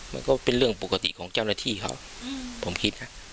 มันก็เป็นเรื่องปกติของเจ้าหน้าที่เขาผมคิดนะ